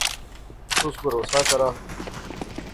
تس بھروسہ کرا